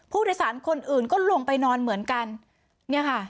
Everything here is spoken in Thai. ผู้โดยสารคนอื่นก็ลงไปนอนเหมือนกันเนี่ยค่ะ